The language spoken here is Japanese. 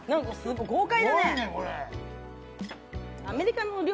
豪快だね。